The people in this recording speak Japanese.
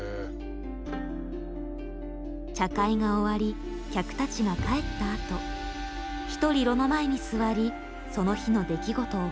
茶会が終わり客たちが帰ったあとひとり炉の前に座りその日の出来事を振り返る。